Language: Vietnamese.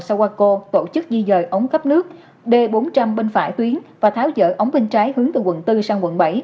sawako tổ chức di dời ống cấp nước d bốn trăm linh bên phải tuyến và tháo dỡ ống bên trái hướng từ quận bốn sang quận bảy